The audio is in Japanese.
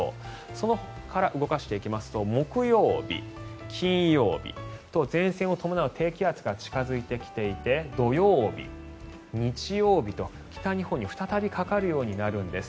そこから動かしていくと木曜、金曜と前線を伴う低気圧が近付いてきていて土曜日、日曜日と北日本に再びかかるようになるんです。